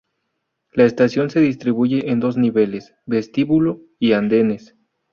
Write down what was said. La estación se distribuye en dos niveles: vestíbulo y andenes.